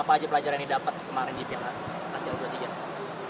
apa aja pelajaran yang didapat kemarin di piala asia u dua puluh tiga